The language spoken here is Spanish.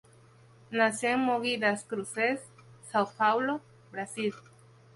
Nació en Mogi das Cruzes, São Paulo, Brasil.